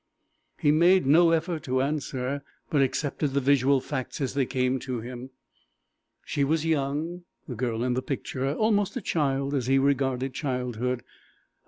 He made no effort to answer, but accepted the visual facts as they came to him. She was young, the girl in the picture; almost a child as he regarded childhood.